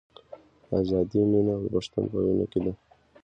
د ازادۍ مینه د پښتون په وینه کې ده.